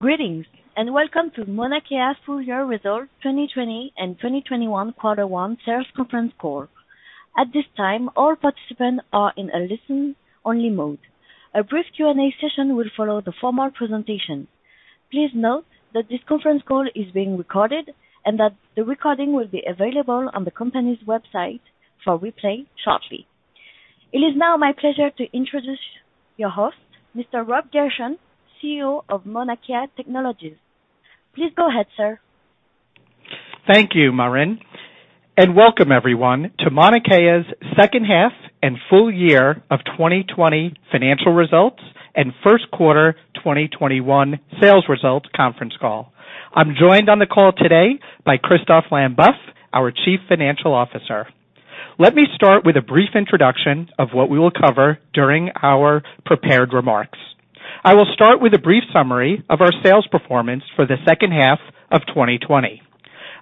Greetings, and welcome to Mauna Kea's full year results 2020 and 2021 quarter one sales conference call. At this time, all participants are in a listen-only mode. A brief Q&A session will follow the formal presentation. Please note that this conference call is being recorded and that the recording will be available on the company's website for replay shortly. It is now my pleasure to introduce your host, Mr. Robert L. Gershon, CEO of Mauna Kea Technologies. Please go ahead, sir. Thank you, Maren, and welcome everyone to Mauna Kea's H2 and full year of 2020 financial results and Q1 2021 sales results conference call. I'm joined on the call today by Christophe Lamboeuf, our Chief Financial Officer. Let me start with a brief introduction of what we will cover during our prepared remarks. I will start with a brief summary of our sales performance for the H2 of 2020.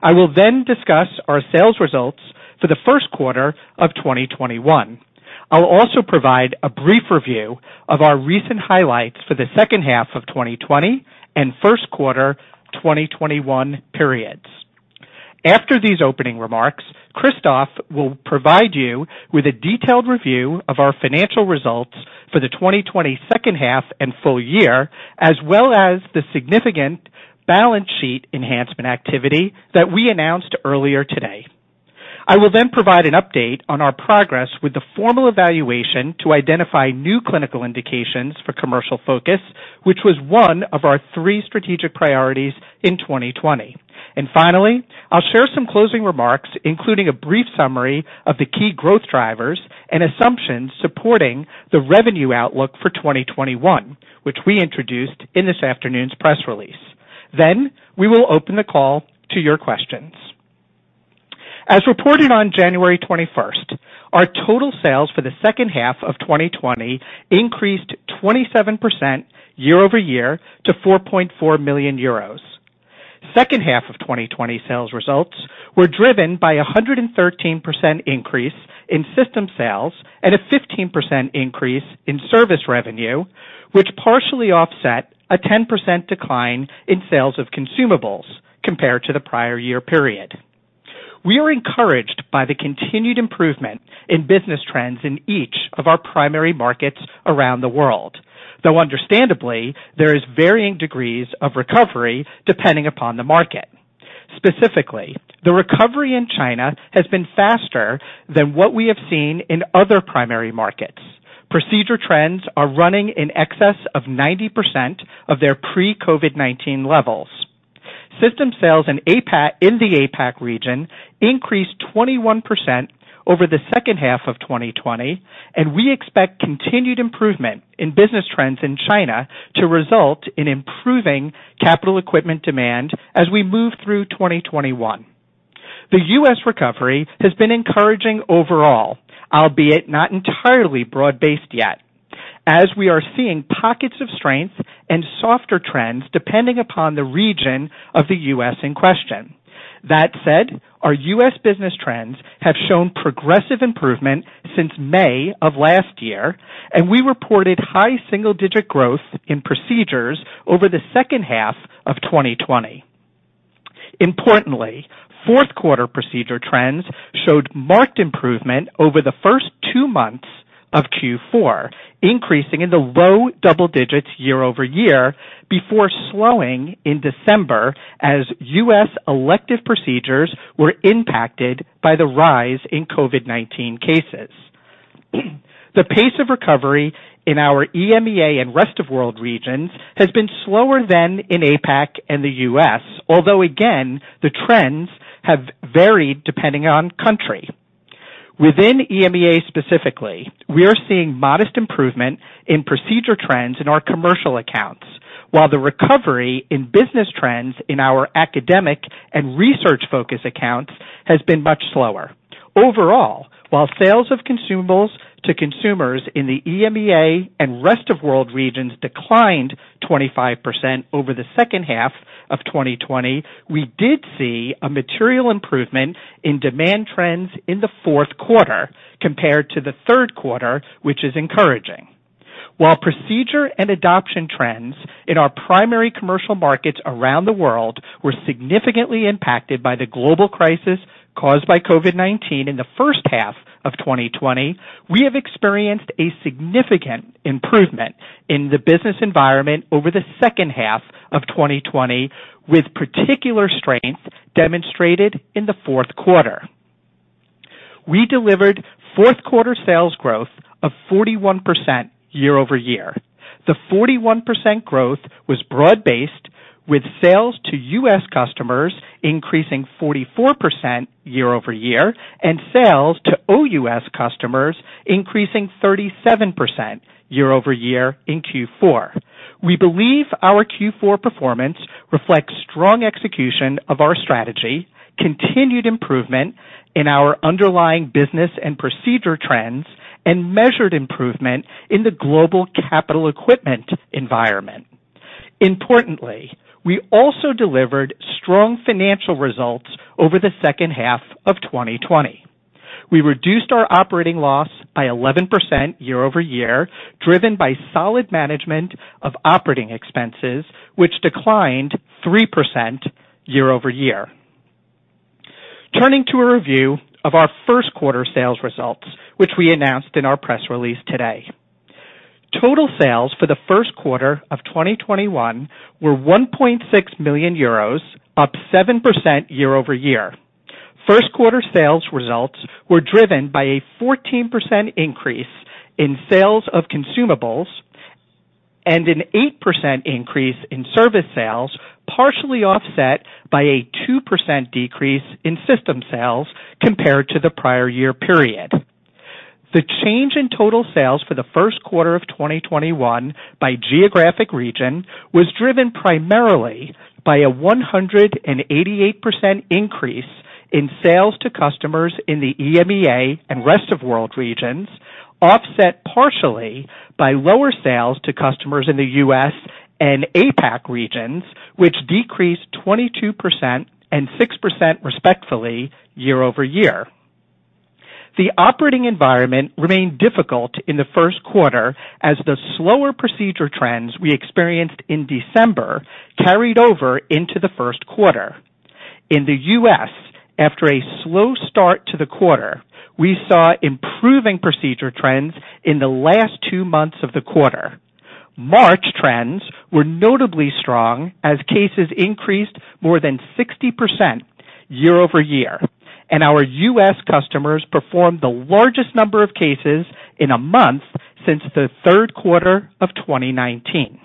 I will then discuss our sales results for the Q1 of 2021. I'll also provide a brief review of our recent highlights for the H2 of 2020 and Q 2021 periods. After these opening remarks, Christophe will provide you with a detailed review of our financial results for the 2020 H2 and full year, as well as the significant balance sheet enhancement activity that we announced earlier today. I will provide an update on our progress with the formal evaluation to identify new clinical indications for commercial focus, which was one of our three strategic priorities in 2020. Finally, I'll share some closing remarks, including a brief summary of the key growth drivers and assumptions supporting the revenue outlook for 2021, which we introduced in this afternoon's press release. We will open the call to your questions. As reported on January 21st, our total sales for the H2 of 2020 increased 27% year-over-year to 4.4 million euros. H2 of 2020 sales results were driven by 113% increase in system sales and a 15% increase in service revenue, which partially offset a 10% decline in sales of consumables compared to the prior year period. We are encouraged by the continued improvement in business trends in each of our primary markets around the world. Though understandably, there is varying degrees of recovery depending upon the market. Specifically, the recovery in China has been faster than what we have seen in other primary markets. Procedure trends are running in excess of 90% of their pre-COVID-19 levels. System sales in the APAC region increased 21% over the H2 of 2020, and we expect continued improvement in business trends in China to result in improving capital equipment demand as we move through 2021. The U.S. recovery has been encouraging overall, albeit not entirely broad-based yet, as we are seeing pockets of strength and softer trends depending upon the region of the U.S. in question. That said, our U.S. business trends have shown progressive improvement since May of last year, and we reported high single-digit growth in procedures over the H2 of 2020. Importantly, Q4 procedure trends showed marked improvement over the first two months of Q4, increasing in the low double digits year-over-year before slowing in December as U.S. elective procedures were impacted by the rise in COVID-19 cases. The pace of recovery in our EMEA and rest of world regions has been slower than in APAC and the U.S., although again, the trends have varied depending on country. Within EMEA specifically, we are seeing modest improvement in procedure trends in our commercial accounts, while the recovery in business trends in our academic and research-focused accounts has been much slower. Overall, while sales of consumables to consumers in the EMEA and rest of world regions declined 25% over the H2 of 2020, we did see a material improvement in demand trends in the Q4 compared to the Q3, which is encouraging. While procedure and adoption trends in our primary commercial markets around the world were significantly impacted by the global crisis caused by COVID-19 in the H1 of 2020, we have experienced a significant improvement in the business environment over the H2 of 2020, with particular strength demonstrated in the Q4. We delivered Q4 sales growth of 41% year-over-year. The 41% growth was broad-based, with sales to U.S. customers increasing 44% year-over-year and sales to OUS customers increasing 37% year-over-year in Q4. We believe our Q4 performance reflects strong execution of our strategy, continued improvement in our underlying business and procedure trends, and measured improvement in the global capital equipment environment. Importantly, we also delivered strong financial results over the H2 of 2020. We reduced our operating loss by 11% year-over-year, driven by solid management of operating expenses, which declined 3% year-over-year. Turning to a review of our Q1 sales results, which we announced in our press release today. Total sales for the Q1 of 2021 were 1.6 million euros, up 7% year-over-year. Q1 sales results were driven by a 14% increase in sales of consumables and an 8% increase in service sales, partially offset by a 2% decrease in system sales compared to the prior year period. The change in total sales for the Q1 of 2021 by geographic region was driven primarily by a 188% increase in sales to customers in the EMEA and rest of world regions, offset partially by lower sales to customers in the U.S. and APAC regions, which decreased 22% and 6% respectively, year-over-year. The operating environment remained difficult in the Q1 as the slower procedure trends we experienced in December carried over into the Q1. In the U.S., after a slow start to the quarter, we saw improving procedure trends in the last two months of the quarter. March trends were notably strong as cases increased more than 60% year-over-year, and our U.S. customers performed the largest number of cases in a month since the Q3 of 2019.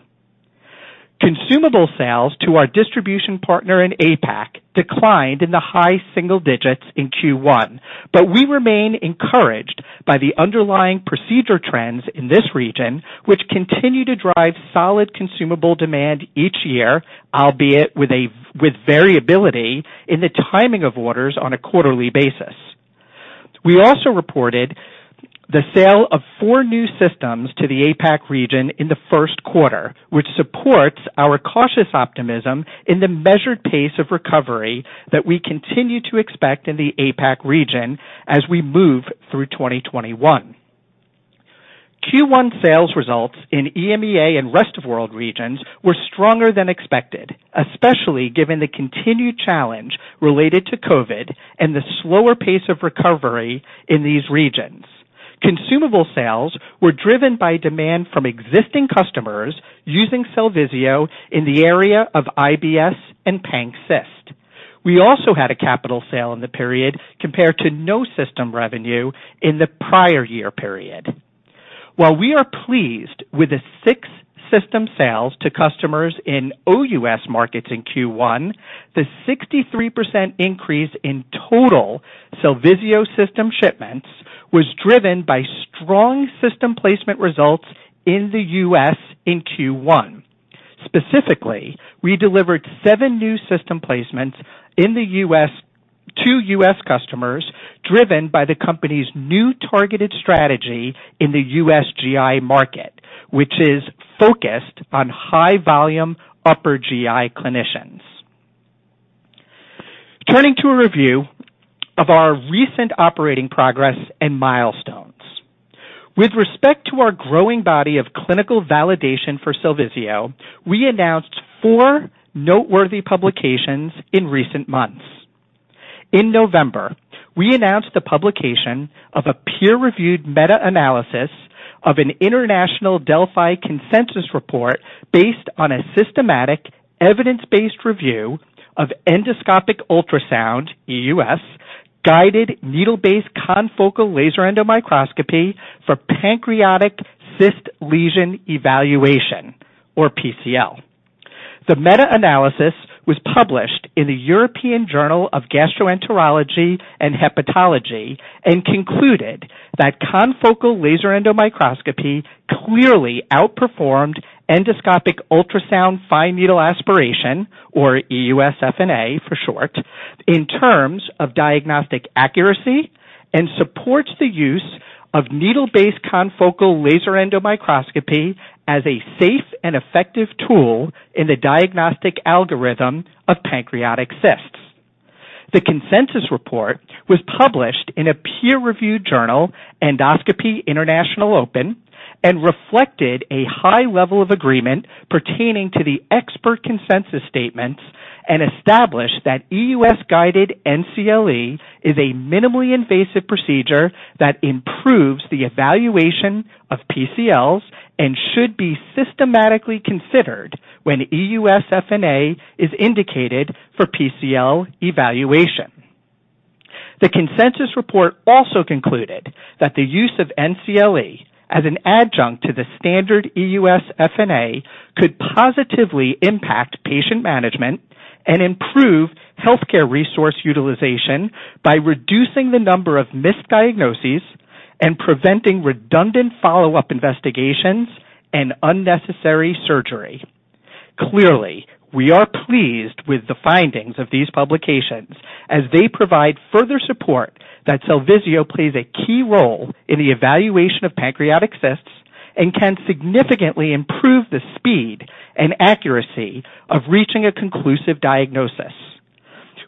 Consumable sales to our distribution partner in APAC declined in the high single digits in Q1. We remain encouraged by the underlying procedure trends in this region, which continue to drive solid consumable demand each year, albeit with variability in the timing of orders on a quarterly basis. We also reported the sale of four new systems to the APAC region in the Q1, which supports our cautious optimism in the measured pace of recovery that we continue to expect in the APAC region as we move through 2021. Q1 sales results in EMEA and rest of world regions were stronger than expected, especially given the continued challenge related to COVID and the slower pace of recovery in these regions. Consumable sales were driven by demand from existing customers using Cellvizio in the area of IBS and pancreatic cyst. We also had a capital sale in the period compared to no system revenue in the prior year period. While we are pleased with the six system sales to customers in OUS markets in Q1, the 63% increase in total Cellvizio system shipments was driven by strong system placement results in the U.S. in Q1. Specifically, we delivered seven new system placements to U.S. customers, driven by the company's new targeted strategy in the U.S. GI market, which is focused on high-volume upper GI clinicians. Turning to a review of our recent operating progress and milestones. With respect to our growing body of clinical validation for Cellvizio, we announced four noteworthy publications in recent months. In November, we announced the publication of a peer-reviewed meta-analysis of an international Delphi consensus report based on a systematic evidence-based review of endoscopic ultrasound, EUS, guided needle-based confocal laser endomicroscopy for pancreatic cyst lesion evaluation, or PCL. The meta-analysis was published in the European Journal of Gastroenterology & Hepatology and concluded that confocal laser endomicroscopy clearly outperformed endoscopic ultrasound fine needle aspiration, or EUS-FNA for short, in terms of diagnostic accuracy and supports the use of needle-based confocal laser endomicroscopy as a safe and effective tool in the diagnostic algorithm of pancreatic cysts. The consensus report was published in a peer-reviewed journal, Endoscopy International Open, and reflected a high level of agreement pertaining to the expert consensus statements and established that EUS-guided nCLE is a minimally invasive procedure that improves the evaluation of PCLs and should be systematically considered when EUS-FNA is indicated for PCL evaluation. The consensus report also concluded that the use of nCLE as an adjunct to the standard EUS-FNA could positively impact patient management and improve healthcare resource utilization by reducing the number of misdiagnoses and preventing redundant follow-up investigations and unnecessary surgery. Clearly, we are pleased with the findings of these publications as they provide further support that Cellvizio plays a key role in the evaluation of pancreatic cysts. Can significantly improve the speed and accuracy of reaching a conclusive diagnosis.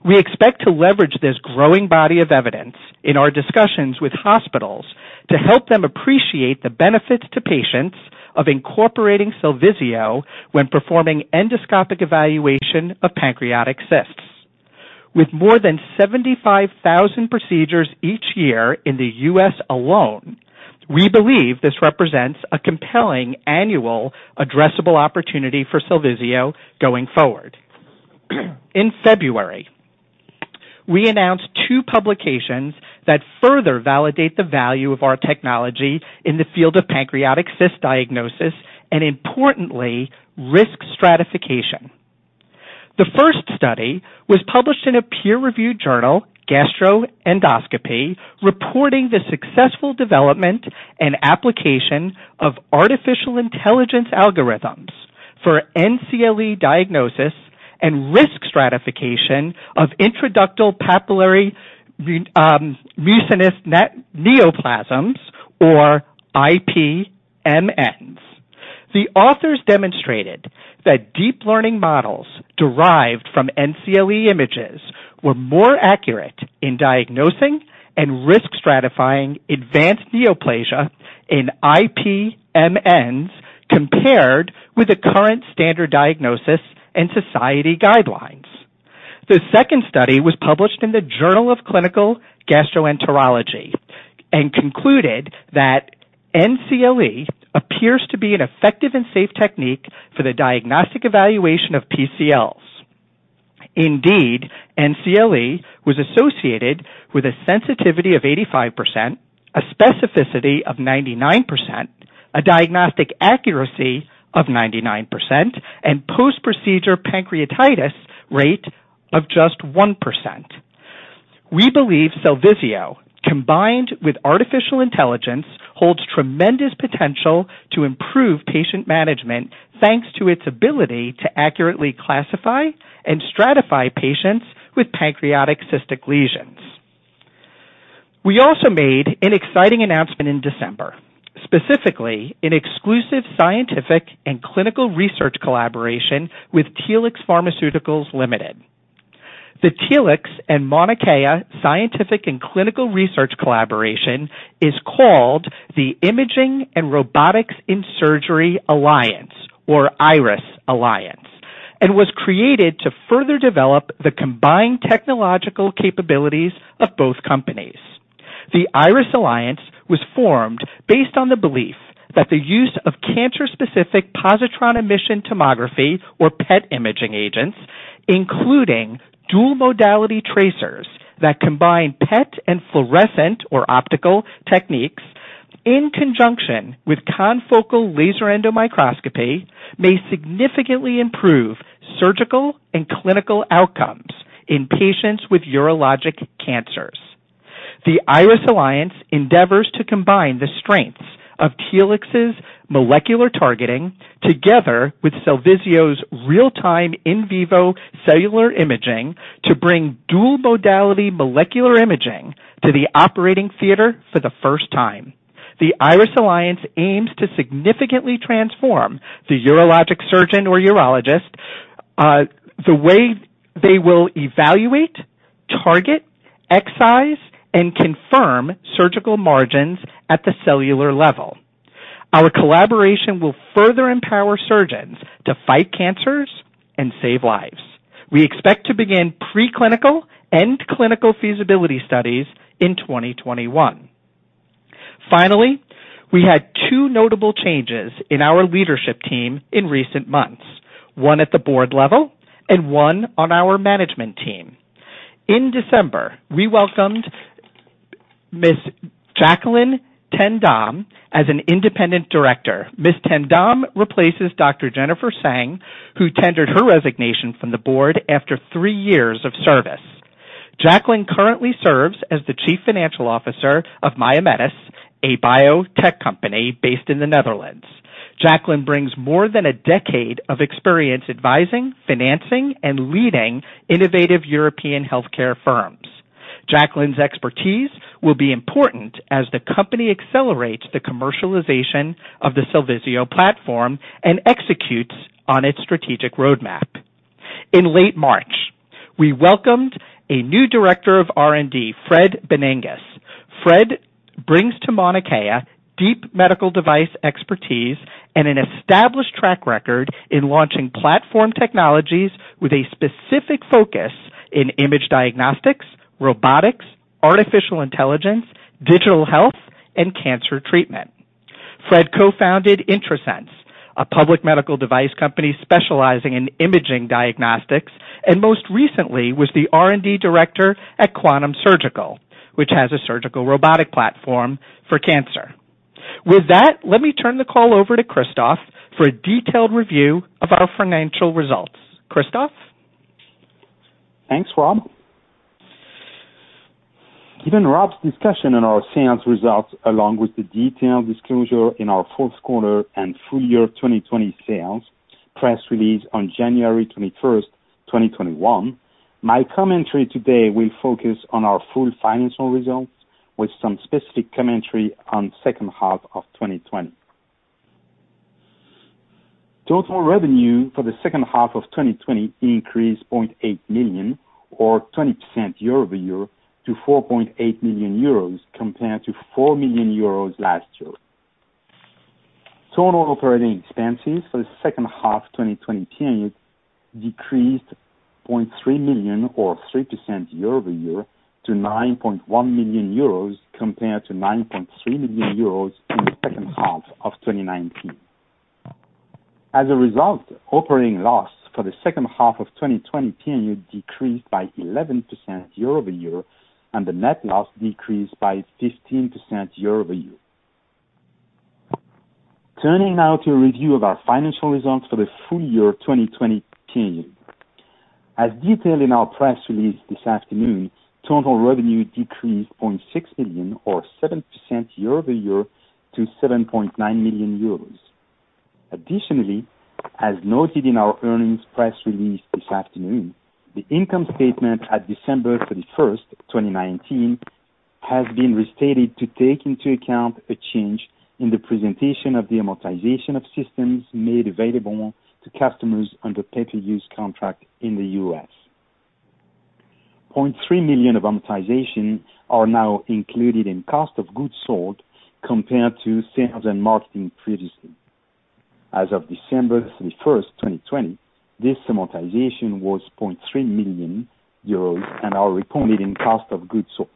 We expect to leverage this growing body of evidence in our discussions with hospitals to help them appreciate the benefits to patients of incorporating Cellvizio when performing endoscopic evaluation of pancreatic cysts. With more than 75,000 procedures each year in the U.S. alone, we believe this represents a compelling annual addressable opportunity for Cellvizio going forward. In February, we announced two publications that further validate the value of our technology in the field of pancreatic cyst diagnosis, and importantly, risk stratification. The first study was published in a peer-reviewed journal, Gastrointestinal Endoscopy, reporting the successful development and application of artificial intelligence algorithms for nCLE diagnosis and risk stratification of intraductal papillary mucinous neoplasms or IPMNs. The authors demonstrated that deep learning models derived from nCLE images were more accurate in diagnosing and risk stratifying advanced neoplasia in IPMNs, compared with the current standard diagnosis and society guidelines. The second study was published in the Journal of Clinical Gastroenterology and concluded that nCLE appears to be an effective and safe technique for the diagnostic evaluation of PCLs. Indeed, nCLE was associated with a sensitivity of 85%, a specificity of 99%, a diagnostic accuracy of 99%, and post-procedure pancreatitis rate of just 1%. We believe Cellvizio, combined with artificial intelligence, holds tremendous potential to improve patient management, thanks to its ability to accurately classify and stratify patients with pancreatic cystic lesions. We also made an exciting announcement in December, specifically an exclusive scientific and clinical research collaboration with Telix Pharmaceuticals Limited. The Telix and Mauna Kea scientific and clinical research collaboration is called the Imaging and Robotics in Surgery Alliance, or IRiS Alliance, and was created to further develop the combined technological capabilities of both companies. The IRiS Alliance was formed based on the belief that the use of cancer-specific positron emission tomography or PET imaging agents, including dual modality tracers that combine PET and fluorescent or optical techniques in conjunction with confocal laser endomicroscopy may significantly improve surgical and clinical outcomes in patients with urologic cancers. The IRiS Alliance endeavors to combine the strengths of Telix's molecular targeting together with Cellvizio's real-time in vivo cellular imaging to bring dual modality molecular imaging to the operating theater for the first time. The IRiS Alliance aims to significantly transform the urologic surgeon or urologist, the way they will evaluate, target, excise, and confirm surgical margins at the cellular level. Our collaboration will further empower surgeons to fight cancers and save lives. We expect to begin preclinical and clinical feasibility studies in 2021. We had two notable changes in our leadership team in recent months, one at the board level and one on our management team. In December, we welcomed Ms. Jacquelien Ten Dam as an independent director. Ms. Ten Dam replaces Dr. Jennifer Tseng, who tendered her resignation from the board after three years of service. Jacquelien Ten Dam currently serves as the chief financial officer of Mimetas, a biotech company based in the Netherlands. Jacquelien Ten Dam brings more than a decade of experience advising, financing, and leading innovative European healthcare firms. Jacquelien Ten Dam's expertise will be important as the company accelerates the commercialization of the Cellvizio platform and executes on its strategic roadmap. In late March, we welcomed a new Director of R&D, Fred Banégas. Fred brings to Mauna Kea deep medical device expertise and an established track record in launching platform technologies with a specific focus in image diagnostics, robotics, artificial intelligence, digital health, and cancer treatment. Fred co-founded Intrasense, a public medical device company specializing in imaging diagnostics, and most recently was the R&D director at Quantum Surgical, which has a surgical robotic platform for cancer. With that, let me turn the call over to Christophe for a detailed review of our financial results. Christophe? Thanks, Rob. Given Rob's discussion on our sales results, along with the detailed disclosure in our Q4 and full year 2020 sales press release on January 21st, 2021. My commentary today will focus on our full financial results, with some specific commentary on H2 of 2020. Total revenue for the H2 of 2020 increased 0.8 million, or 20% year-over-year, to 4.8 million euros, compared to 4 million euros last year. Total operating expenses for the H2 2020 period decreased 0.3 million or 3% year-over-year to 9.1 million euros compared to 9.3 million euros in the H2 of 2019. Result, operating loss for the H2 of 2020 period decreased by 11% year-over-year, and the net loss decreased by 15% year-over-year. Turning now to a review of our financial results for the full year 2020 period. As detailed in our press release this afternoon, total revenue decreased 0.6 million or 7% year over year to 7.9 million euros. Additionally, as noted in our earnings press release this afternoon, the income statement at December 31st, 2019, has been restated to take into account a change in the presentation of the amortization of systems made available to customers under pay-per-use contract in the U.S. 0.3 million of amortization are now included in cost of goods sold, compared to sales and marketing previously. As of December 31st, 2020, this amortization was 0.3 million euros and are reported in cost of goods sold.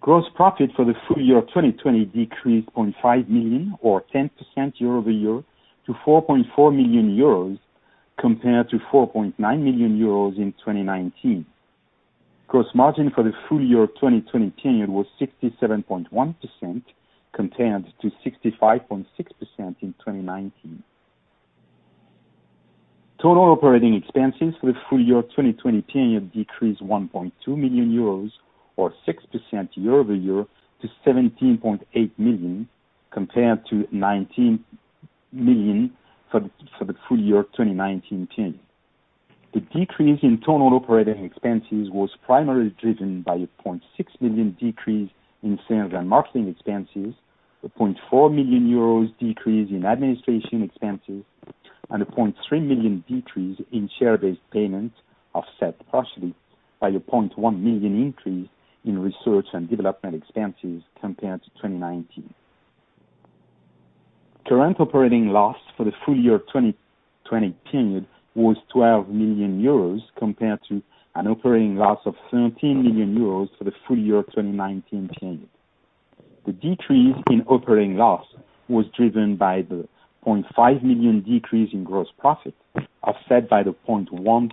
Gross profit for the full year 2020 decreased 0.5 million or 10% year over year to 4.4 million euros compared to 4.9 million euros in 2019. Gross margin for the full year 2020 period was 67.1%, compared to 65.6% in 2019. Total operating expenses for the full year 2020 period decreased 1.2 million euros or 6% year-over-year to 17.8 million, compared to 19 million for the full year 2019 period. The decrease in total operating expenses was primarily driven by a 0.6 million decrease in sales and marketing expenses, a 0.4 million euros decrease in administration expenses, and a 0.3 million decrease in share-based payments, offset partially by a 0.1 million increase in research and development expenses compared to 2019. Current operating loss for the full year 2020 period was 12 million euros compared to an operating loss of 13 million euros for the full year 2019 period. The decrease in operating loss was driven by the 0.5 million decrease in gross profit, offset by the 1.2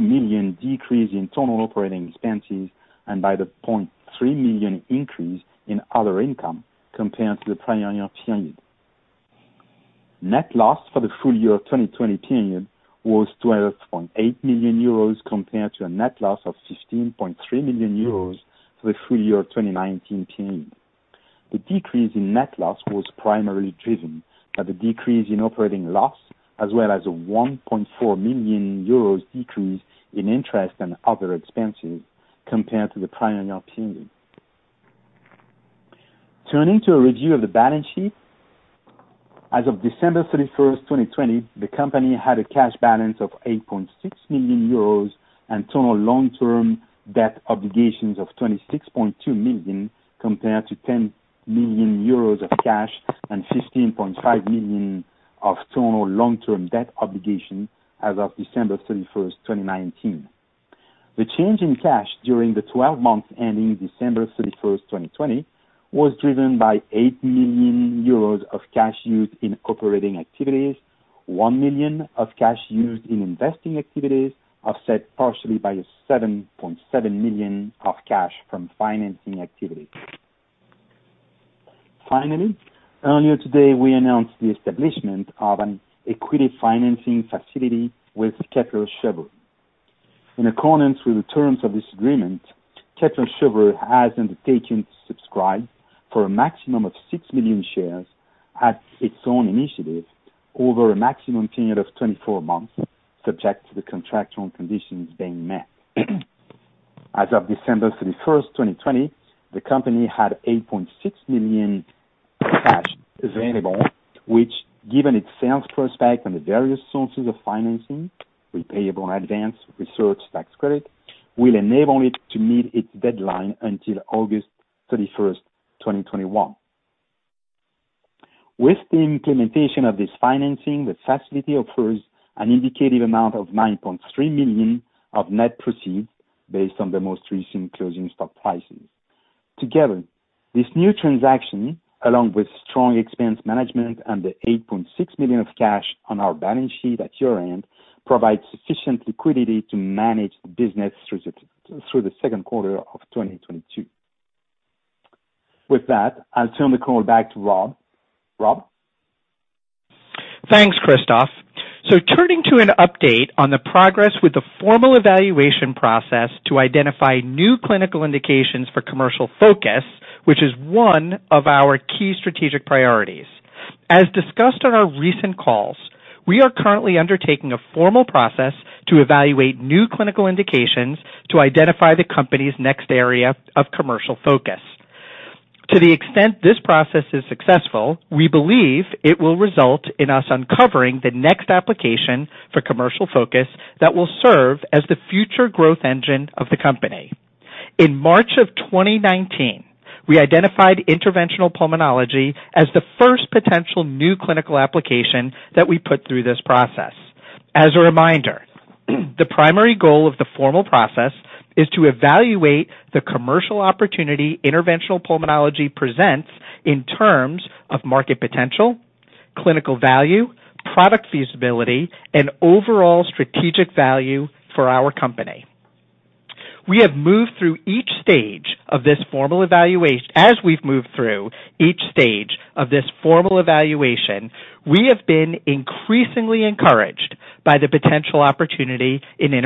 million decrease in total operating expenses and by the 0.3 million increase in other income compared to the prior year period. Net loss for the full year 2020 period was 12.8 million euros compared to a net loss of 15.3 million euros for the full year 2019 period. The decrease in net loss was primarily driven by the decrease in operating loss, as well as a 1.4 million euros decrease in interest and other expenses compared to the prior year period. Turning to a review of the balance sheet. As of December 31st, 2020, the company had a cash balance of 8.6 million euros and total long-term debt obligations of 26.2 million, compared to 10 million euros of cash and 15.5 million of total long-term debt obligation as of December 31st, 2019. The change in cash during the 12 months ending December 31st, 2020, was driven by 8 million euros of cash used in operating activities, 1 million of cash used in investing activities, offset partially by a 7.7 million of cash from financing activities. Earlier today, we announced the establishment of an equity financing facility with Kepler Cheuvreux. In accordance with the terms of this agreement, Kepler Cheuvreux has undertaken to subscribe for a maximum of 6 million shares at its own initiative over a maximum period of 24 months, subject to the contractual conditions being met. As of December 31st, 2020, the company had 8.6 million cash available, which, given its sales prospect and the various sources of financing, repayable advance, research tax credit, will enable it to meet its deadline until August 31st, 2021. With the implementation of this financing, the facility offers an indicative amount of 9.3 million of net proceeds based on the most recent closing stock prices. Together, this new transaction, along with strong expense management and the 8.6 million of cash on our balance sheet at year-end, provides sufficient liquidity to manage the business through the Q2 of 2022. With that, I'll turn the call back to Rob. Rob? Thanks, Christophe. Turning to an update on the progress with the formal evaluation process to identify new clinical indications for commercial focus, which is one of our key strategic priorities. As discussed on our recent calls, we are currently undertaking a formal process to evaluate new clinical indications to identify the company's next area of commercial focus. To the extent this process is successful, we believe it will result in us uncovering the next application for commercial focus that will serve as the future growth engine of the company. In March of 2019, we identified interventional pulmonology as the first potential new clinical application that we put through this process. As a reminder, the primary goal of the formal process is to evaluate the commercial opportunity interventional pulmonology presents in terms of market potential, clinical value, product feasibility, and overall strategic value for our company. As we've moved through each stage of this formal evaluation, we have been increasingly encouraged by the potential opportunity in the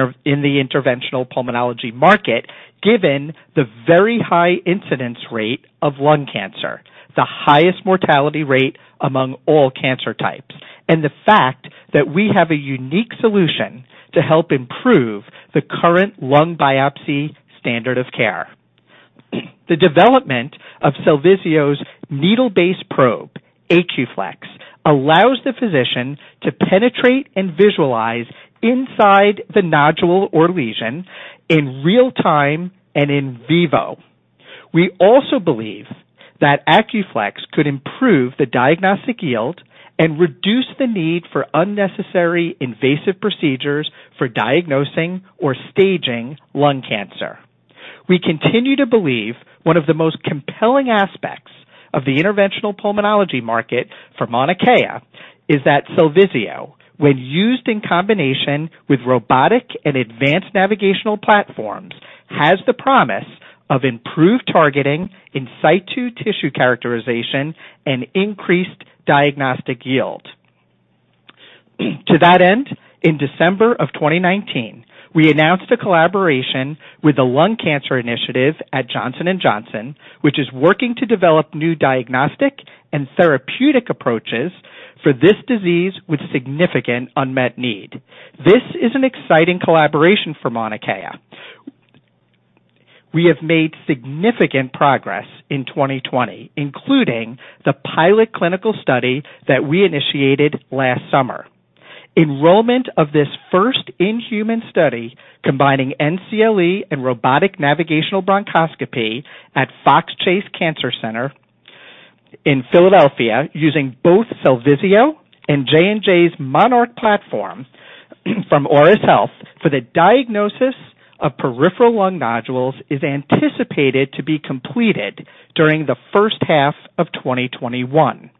interventional pulmonology market, given the very high incidence rate of lung cancer, the highest mortality rate among all cancer types, and the fact that we have a unique solution to help improve the current lung biopsy standard of care. The development of Cellvizio's needle-based probe, AQ-Flex 19, allows the physician to penetrate and visualize inside the nodule or lesion in real time and in vivo. We also believe that AQ-Flex 19 could improve the diagnostic yield and reduce the need for unnecessary invasive procedures for diagnosing or staging lung cancer. We continue to believe one of the most compelling aspects of the interventional pulmonology market for Mauna Kea is that Cellvizio, when used in combination with robotic and advanced navigational platforms, has the promise of improved targeting in situ tissue characterization and increased diagnostic yield. To that end, in December of 2019, we announced a collaboration with the Lung Cancer Initiative at Johnson & Johnson, which is working to develop new diagnostic and therapeutic approaches for this disease with significant unmet need. This is an exciting collaboration for Mauna Kea. We have made significant progress in 2020, including the pilot clinical study that we initiated last summer. Enrollment of this first in-human study combining nCLE and robotic navigational bronchoscopy at Fox Chase Cancer Center in Philadelphia using both Cellvizio and J&J's MONARCH platform from Auris Health for the diagnosis of peripheral lung nodules is anticipated to be completed during the H1 of 2021.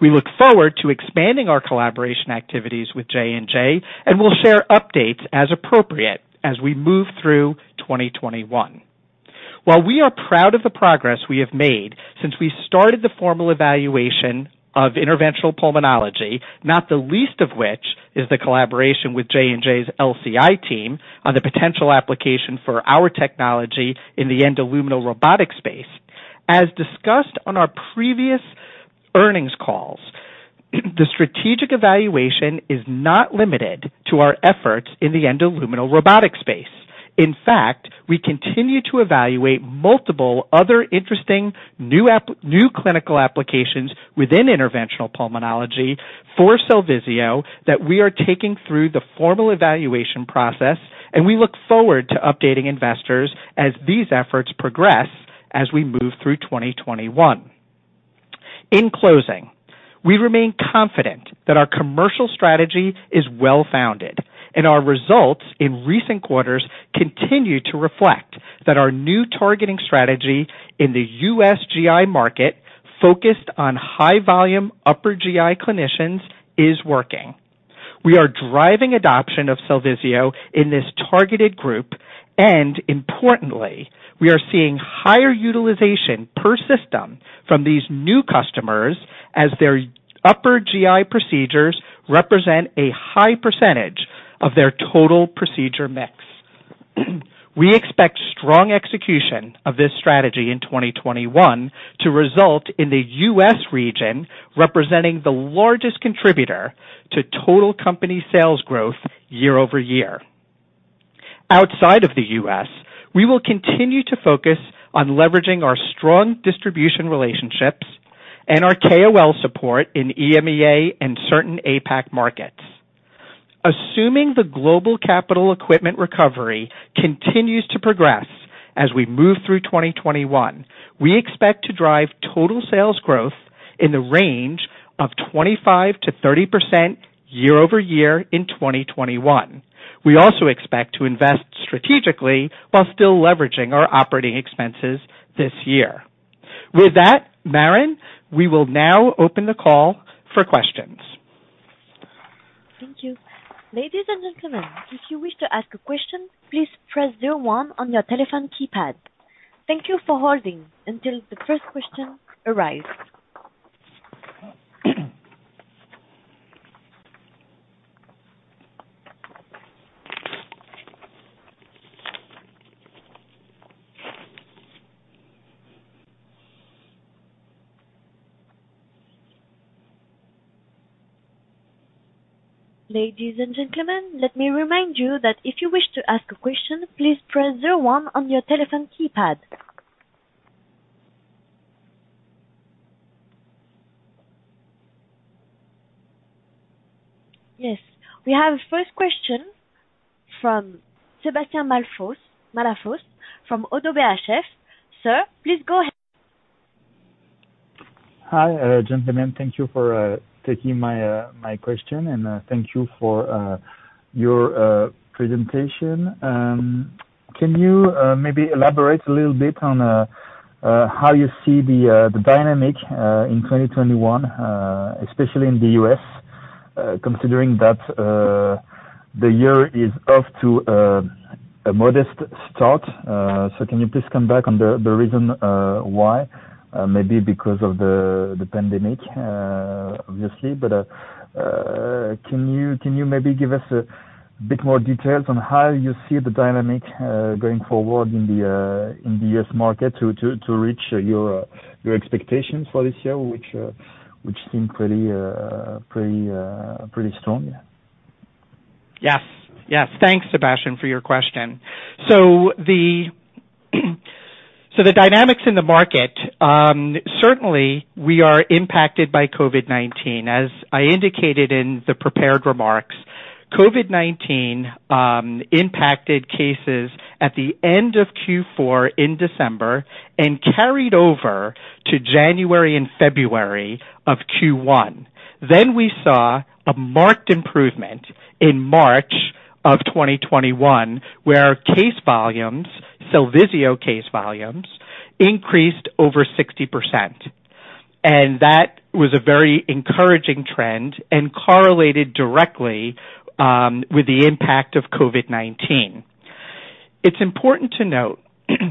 We look forward to expanding our collaboration activities with J&J, and we'll share updates as appropriate as we move through 2021. We are proud of the progress we have made since we started the formal evaluation of interventional pulmonology, not the least of which is the collaboration with J&J's LCI team on the potential application for our technology in the endoluminal robotic space. As discussed on our previous earnings calls, the strategic evaluation is not limited to our efforts in the endoluminal robotic space. In fact, we continue to evaluate multiple other interesting new clinical applications within interventional pulmonology for Cellvizio that we are taking through the formal evaluation process, and we look forward to updating investors as these efforts progress as we move through 2021. In closing, we remain confident that our commercial strategy is well-founded, and our results in recent quarters continue to reflect that our new targeting strategy in the U.S. GI market focused on high-volume upper GI clinicians is working. We are driving adoption of Cellvizio in this targeted group, and importantly, we are seeing higher utilization per system from these new customers as their upper GI procedures represent a high percentage of their total procedure mix. We expect strong execution of this strategy in 2021 to result in the U.S. region representing the largest contributor to total company sales growth year-over-year. Outside of the U.S., we will continue to focus on leveraging our strong distribution relationships and our KOL support in EMEA and certain APAC markets. Assuming the global capital equipment recovery continues to progress as we move through 2021, we expect to drive total sales growth in the range of 25%-30% year-over-year in 2021. We also expect to invest strategically while still leveraging our operating expenses this year. With that, Maren, we will now open the call for questions. Thank you. Ladies and gentlemen, if you wish to ask a question, please press zero one on your telephone keypad. Thank you for holding until the first question arrives. Ladies and gentlemen, let me remind you that if you wish to ask a question, please press zero one on your telephone keypad. Yes. We have a first question from Sébastien Malafosse from ODDO BHF. Sir, please go ahead. Hi, gentlemen. Thank you for taking my question and thank you for your presentation. Can you maybe elaborate a little bit on how you see the dynamic in 2021, especially in the U.S., considering that the year is off to a modest start? Can you please come back on the reason why? Maybe because of the pandemic, obviously. Can you maybe give us a bit more details on how you see the dynamic going forward in the U.S. market to reach your expectations for this year, which seem pretty strong? Yes. Thanks, Sébastien, for your question. The dynamics in the market. Certainly, we are impacted by COVID-19. As I indicated in the prepared remarks, COVID-19 impacted cases at the end of Q4 in December and carried over to January and February of Q1. We saw a marked improvement in March of 2021, where case volumes, Cellvizio case volumes, increased over 60%. That was a very encouraging trend and correlated directly with the impact of COVID-19. It's important to note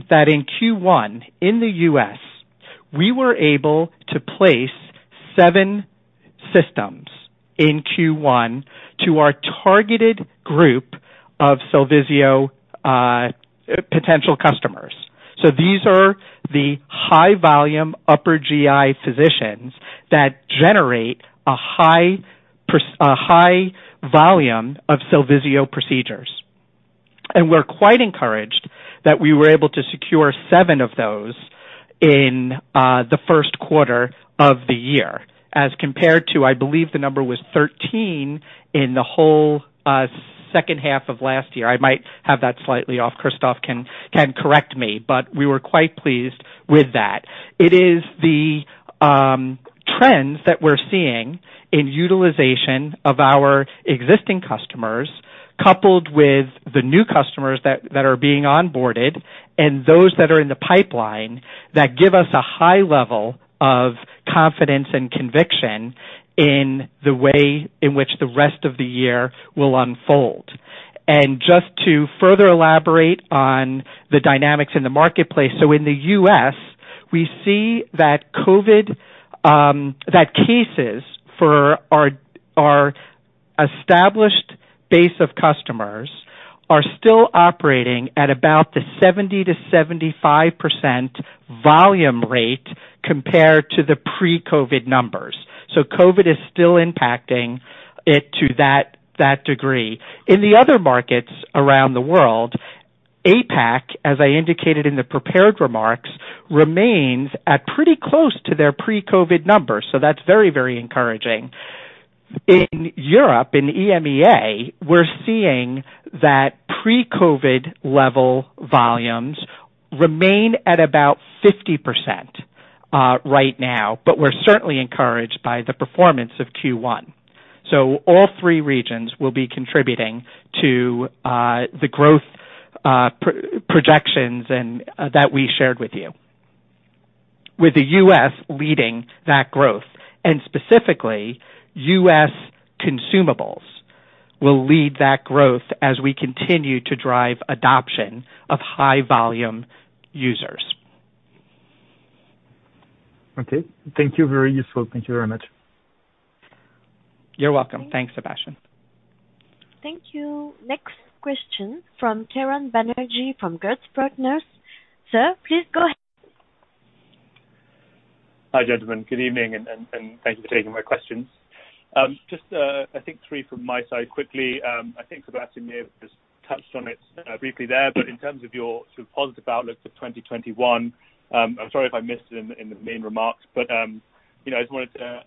that in Q1 in the U.S., we were able to place seven systems in Q1 to our targeted group of Cellvizio potential customers. These are the high-volume upper GI physicians that generate a high volume of Cellvizio procedures. We're quite encouraged that we were able to secure seven of those in the Q1 of the year as compared to, I believe the number was 13 in the whole H2 of last year. I might have that slightly off. Christophe can correct me. We were quite pleased with that. It is the trends that we're seeing in utilization of our existing customers, coupled with the new customers that are being onboarded and those that are in the pipeline, that give us a high level of confidence and conviction in the way in which the rest of the year will unfold. Just to further elaborate on the dynamics in the marketplace. In the U.S., we see that cases for our established base of customers are still operating at about the 70%-75% volume rate compared to the pre-COVID numbers. COVID is still impacting it to that degree. In the other markets around the world, APAC, as I indicated in the prepared remarks, remains at pretty close to their pre-COVID numbers. That's very encouraging. In Europe, in EMEA, we're seeing that pre-COVID level volumes remain at about 50% right now. We're certainly encouraged by the performance of Q1. All three regions will be contributing to the growth projections that we shared with you. With the U.S. leading that growth, and specifically, U.S. consumables will lead that growth as we continue to drive adoption of high-volume users. Okay. Thank you. Very useful. Thank you very much. You're welcome. Thanks, Sébastien. Thank you. Next question from Kieron Banerjee from Gerson Partners. Sir, please go ahead. Hi, gentlemen. Good evening and thank you for taking my questions. Just I think three from my side quickly. I think Sébastien may have just touched on it briefly there, but in terms of your sort of positive outlook for 2021, I'm sorry if I missed it in the main remarks, but I just wanted to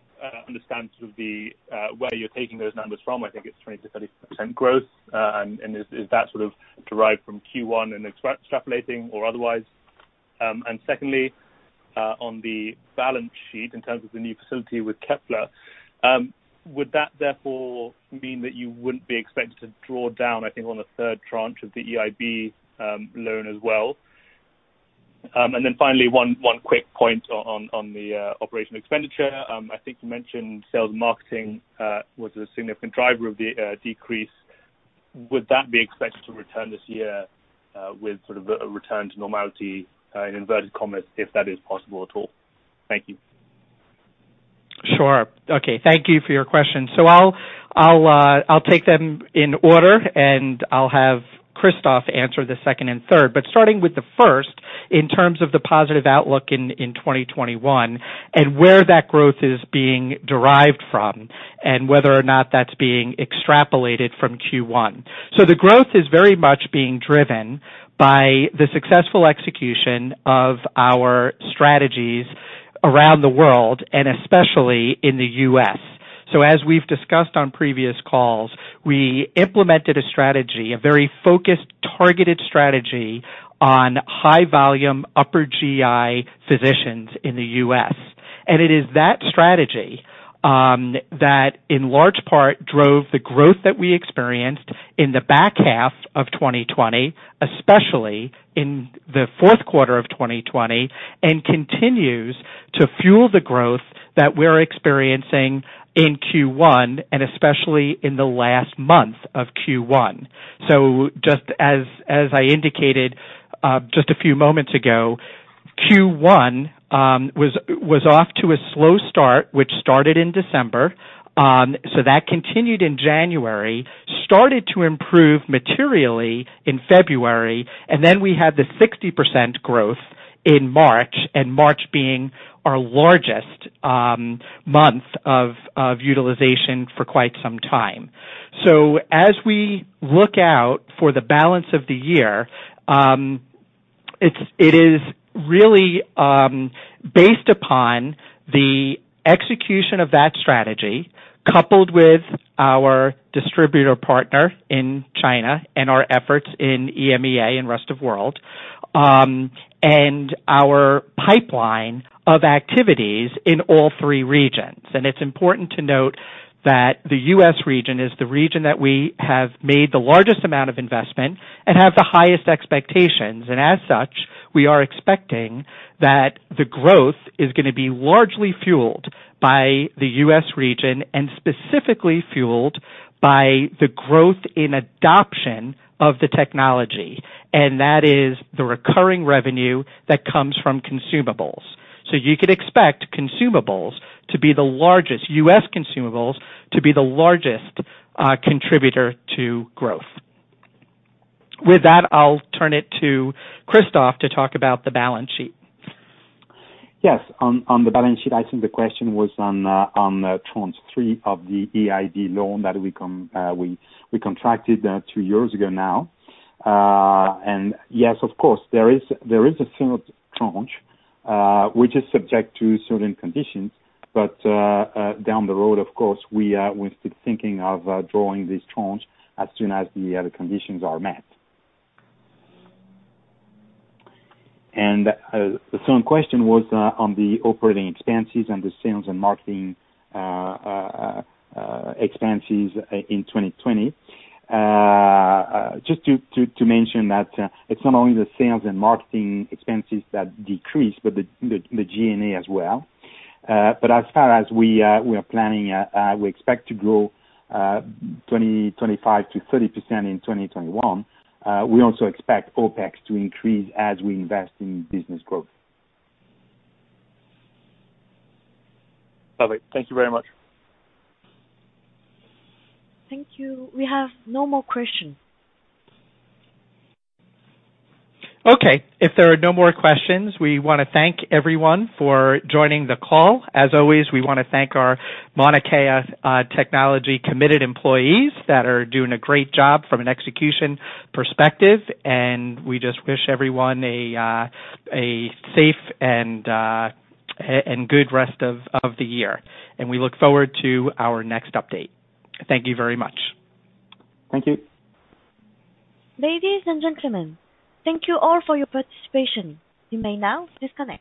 understand sort of where you're taking those numbers from. I think it's 20%-30% growth. Is that sort of derived from Q1 and extrapolating or otherwise? Secondly, on the balance sheet in terms of the new facility with Kepler, would that therefore mean that you wouldn't be expected to draw down, I think, on a third tranche of the EIB loan as well? Finally, one quick point on the operational expenditure. I think you mentioned sales and marketing was a significant driver of the decrease. Would that be expected to return this year with sort of a return to normality, in inverted commas, if that is possible at all? Thank you. Sure. Okay. Thank you for your question. I'll take them in order, and I'll have Christophe answer the second and third. Starting with the first, in terms of the positive outlook in 2021 and where that growth is being derived from, and whether or not that's being extrapolated from Q1. The growth is very much being driven by the successful execution of our strategies around the world, and especially in the U.S. As we've discussed on previous calls, we implemented a strategy, a very focused, targeted strategy, on high-volume upper GI physicians in the U.S. It is that strategy that in large part drove the growth that we experienced in the back half of 2020, especially in the Q4 of 2020, and continues to fuel the growth that we're experiencing in Q1, and especially in the last month of Q1. Just as I indicated just a few moments ago, Q1 was off to a slow start, which started in December. That continued in January, started to improve materially in February, and then we had the 60% growth in March, and March being our largest month of utilization for quite some time. As we look out for the balance of the year, it is really based upon the execution of that strategy, coupled with our distributor partner in China and our efforts in EMEA and rest of world, and our pipeline of activities in all three regions. It's important to note that the U.S. region is the region that we have made the largest amount of investment and have the highest expectations. As such, we are expecting that the growth is going to be largely fueled by the U.S. region and specifically fueled by the growth in adoption of the technology. That is the recurring revenue that comes from consumables. You could expect U.S. consumables to be the largest contributor to growth. With that, I'll turn it to Christophe to talk about the balance sheet. Yes. On the balance sheet, I think the question was on tranche three of the EIB loan that we contracted two years ago now. Yes, of course, there is a third tranche, which is subject to certain conditions. Down the road, of course, we're still thinking of drawing this tranche as soon as the other conditions are met. The second question was on the operating expenses and the sales and marketing expenses in 2020. Just to mention that it's not only the sales and marketing expenses that decreased, but the G&A as well. As far as we are planning, we expect to grow 25%-30% in 2021. We also expect OpEx to increase as we invest in business growth. Perfect. Thank you very much. Thank you. We have no more questions. Okay. If there are no more questions, we want to thank everyone for joining the call. As always, we want to thank our Mauna Kea Technologies committed employees that are doing a great job from an execution perspective. We just wish everyone a safe and good rest of the year. We look forward to our next update. Thank you very much. Thank you. Ladies and gentlemen, thank you all for your participation. You may now disconnect.